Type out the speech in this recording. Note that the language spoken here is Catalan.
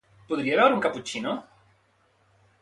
Podria beure un caputxino?